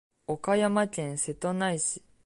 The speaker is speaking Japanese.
岡山県瀬戸内市